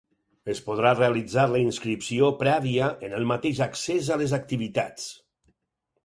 Es podrà realitzar la inscripció prèvia en el mateix accés a les activitats.